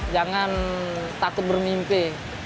jangan takut bermimpi